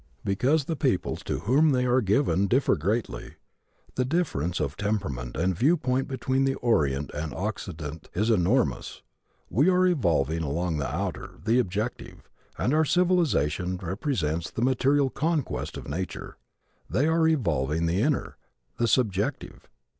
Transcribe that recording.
Because the peoples to whom they are given differ greatly. The difference of temperament and viewpoint between the Orient and the Occident is enormous. We are evolving along the outer, the objective, and our civilization represents the material conquest of nature. They are evolving the inner, the subjective.